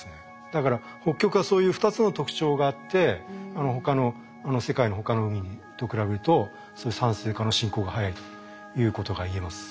だから北極はそういう２つの特徴があって世界の他の海と比べると酸性化の進行が速いということが言えます。